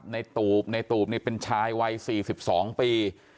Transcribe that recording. ในตูบในตูบนี่เป็นชายวัย๔๒ปี